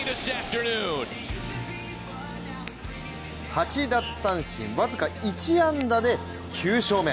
８奪三振、僅か１安打で９勝目。